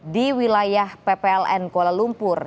di wilayah ppln kuala lumpur